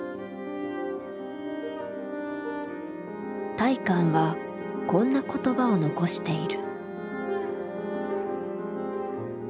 大観はこんな言葉を残している。